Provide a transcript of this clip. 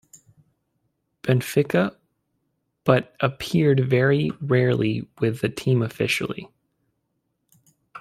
Benfica, but appeared very rarely with the team officially.